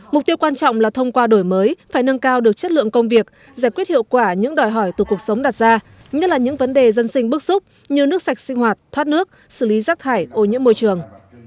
mục tiêu quan trọng là thông qua đổi mới phải nâng cao được chất lượng công việc giải quyết hiệu quả những đòi hỏi từ cuộc sống đặt ra nhất là những vấn đề dân sinh bước xúc như nước sạch sinh hoạt thoát nước xử lý rác thải ô nhiễm môi trường